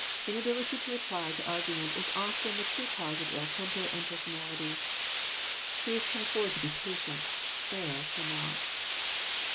Ina bility to reply to argument is often the true cause of ill temper and personalities. Truth can afford to be patient; error can not.